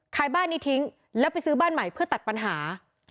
บ้านนี้ทิ้งแล้วไปซื้อบ้านใหม่เพื่อตัดปัญหา